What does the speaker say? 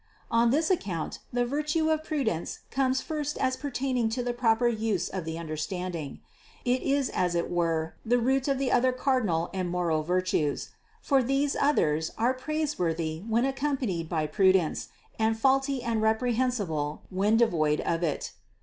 On this account the virtue of prudence comes first as pertaining to the proper use of the understanding. It is as it were the root of the other cardinal and moral virtues; for these others are praiseworthy when accom panied by prudence, and faulty and reprehensible when devoid of it.